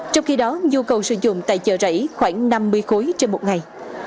trong khi đó nhu cầu sử dụng tại chợ rẫy khoảng năm mươi khối trên một ngày